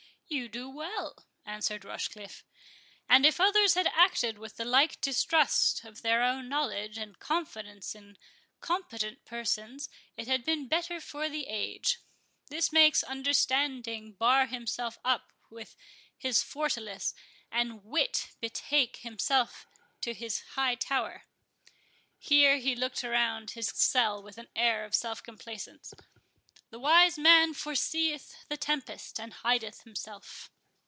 "You do well," answered Rochecliffe; "and if others had acted with the like distrust of their own knowledge, and confidence in competent persons, it had been better for the age. This makes Understanding bar himself up within his fortalice, and Wit betake himself to his high tower." (Here he looked around his cell with an air of self complacence.) "The wise man forseeth the tempest, and hideth himself."